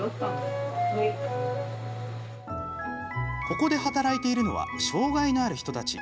ここで働いているのは障害のある人たち。